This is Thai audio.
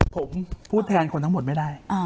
ผมพูดแทนคนทั้งหมดไม่ได้